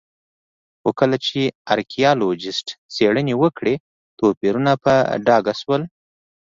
خو کله چې ارکيالوجېسټ څېړنې وکړې توپیرونه په ډاګه شول